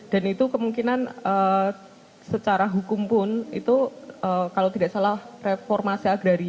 dan itu kemungkinan secara hukum pun itu kalau tidak salah reformasi agraria